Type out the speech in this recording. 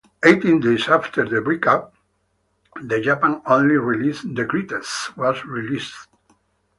Eighteen days after the breakup, the Japan-only release "The Greatest" was released.